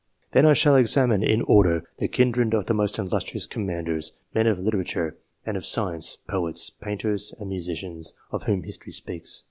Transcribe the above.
Then I shall examine, in order, the kindred of the most illustrious Commanders, men of Literature and of Science, Poets, Painters, and Musicians, of whom history speaks.